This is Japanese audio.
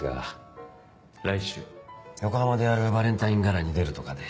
横浜でやるバレンタイン・ガラに出るとかで。